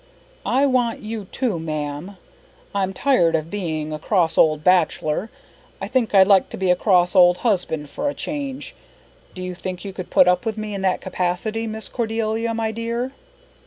I want you too, ma'am. I'm tired of being a cross old bachelor. I think I'd like to be a cross old husband, for a change. Do you think you could put up with me in that capacity, Miss Cordelia, my dear?"